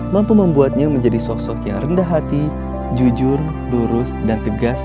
mampu membuatnya menjadi sosok yang rendah hati jujur lurus dan tegas